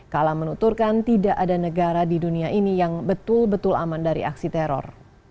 kalam menuturkan tidak ada negara di dunia ini yang betul betul aman dari aksi teror